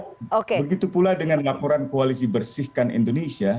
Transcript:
begitu pula dengan laporan koalisi bersihkan indonesia